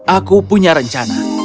aku punya rencana